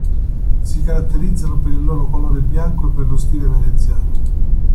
Si caratterizzano per il loro colore bianco e per lo stile veneziano..